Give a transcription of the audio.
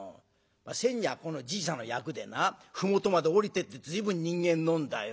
仙人やこのじいさんの役でな麓まで下りてって随分人間飲んだよ。